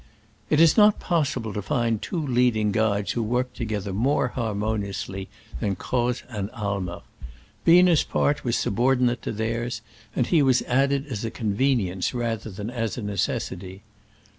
It was not possible to find two leading guides who worked together more har moniously than Croz and Aimer. Bie ner's part was subordinate to theirs, and he was added as a convenience rather than as a necessity.